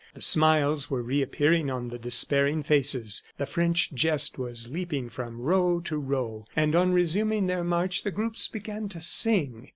The smiles were reappearing on the despairing faces, the French jest was leaping from row to row, and on resuming their march the groups began to sing.